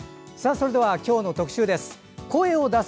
それでは今日の特集です。